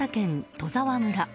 戸沢村。